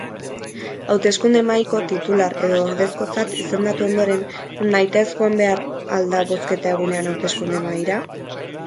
Hauteskunde-mahaiko titular edo ordezkotzat izendatu ondoren nahitaez joan behar al da bozketa-egunean hauteskunde-mahaira?